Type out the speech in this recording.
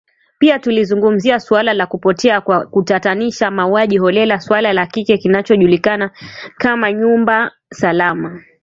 Pia tulizungumzia suala la kupotea kwa kutatanisha, mauaji holela, suala la kile kinachojulikana kama nyumba salama.